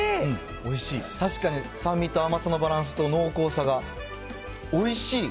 おいしい、確かに酸味と甘みのバランスと濃厚さが、おいしい。